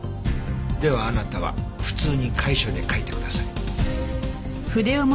ではあなたは普通に楷書で書いてください。